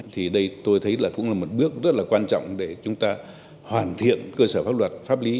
thì đây tôi thấy là cũng là một bước rất là quan trọng để chúng ta hoàn thiện cơ sở pháp luật pháp lý